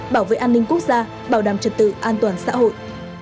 bảo vệ an ninh quốc gia bảo đảm trật tự an toàn xã hội